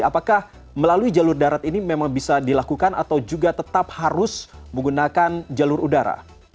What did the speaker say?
apakah melalui jalur darat ini memang bisa dilakukan atau juga tetap harus menggunakan jalur udara